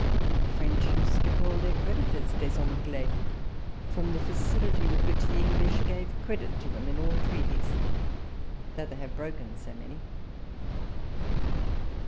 the French used to call their creditors ' Des Anglois,' from the facility with which the English gave credit to them in all treaties, though they have broken so many.